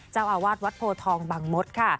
เจ้าอาวาสวัดโพทองบังมดค่ะ